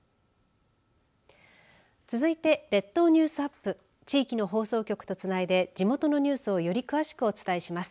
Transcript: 続いて、列島ニュースアップ地域の放送局とつないで地元のニュースをより詳しくお伝えします。